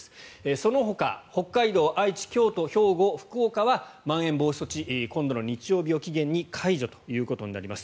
そのほか北海道、愛知京都、兵庫、福岡はまん延防止措置今度の日曜日を期限に解除ということになります。